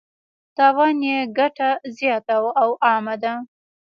تاوان یې ګټه زیاته او عامه ده.